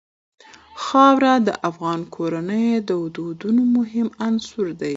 خاوره د افغان کورنیو د دودونو مهم عنصر دی.